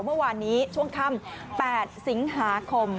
เมื่อวานนี้ช่วงค่ำ๘สิงหาคม